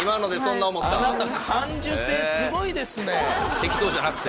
適当じゃなくて？